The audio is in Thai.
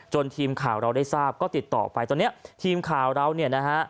ทีมข่าวเราได้ทราบก็ติดต่อไปตอนเนี้ยทีมข่าวเราเนี่ยนะฮะ